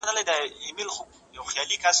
ایا تاسي د فضايي سټیشن په اړه څه پوهېږئ؟